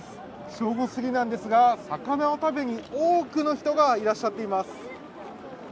正午すぎなんですが、魚を食べに多くの人がいらっしゃっています。